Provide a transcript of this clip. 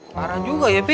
parah juga ya pi